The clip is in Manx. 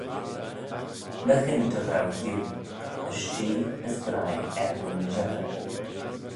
Myghin dy row hiu, as shee, as graih er nyn mishaghey.